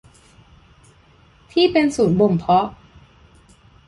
ที่เป็นศูนย์บ่มเพาะ